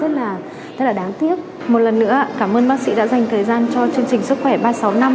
một lần nữa cảm ơn bác sĩ đã dành thời gian cho chương trình sức khỏe ba sáu năm